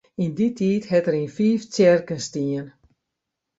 Yn dy tiid hat er yn fiif tsjerken stien.